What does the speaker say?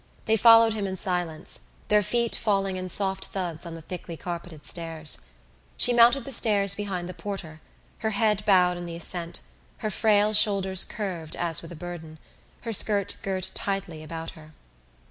They followed him in silence, their feet falling in soft thuds on the thickly carpeted stairs. She mounted the stairs behind the porter, her head bowed in the ascent, her frail shoulders curved as with a burden, her skirt girt tightly about her.